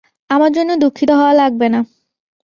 আমার জন্য দুঃখিত হওয়া লাগবে না।